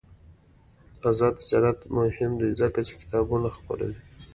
آزاد تجارت مهم دی ځکه چې کتابونه خپروي.